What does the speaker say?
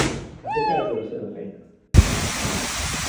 Aquesta era la seva feina.